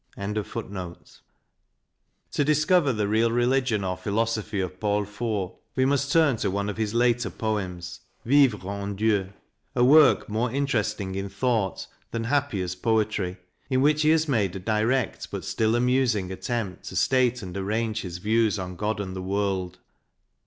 " 262 CRITICAL STUDIES To discover the real religion or philosophy of Paul Fort, we must turn to one of his later poems, " Vivre en Dieu," a work more interesting in thought than happy as poetry, in which he has made a direct, but still amusing, attempt to state and arrange his views on God and the world.